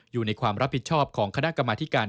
อยู่ในความรับผิดชอบของคณะกรรมธิการ